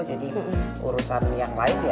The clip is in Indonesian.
jadi urusan yang lain ya